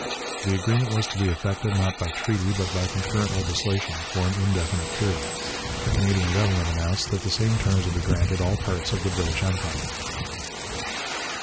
The agreement was to be effected, not by treaty but by concurrent legislation for an indefinite period. The Canadian Government announced that the same terms would be granted all parts of the British Empire.